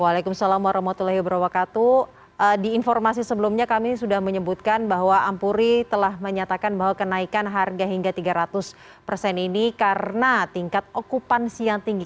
waalaikumsalam warahmatullahi wabarakatuh di informasi sebelumnya kami sudah menyebutkan bahwa ampuri telah menyatakan bahwa kenaikan harga hingga tiga ratus persen ini karena tingkat okupansi yang tinggi